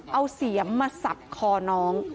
เอาเสียมมาสับคอน้อง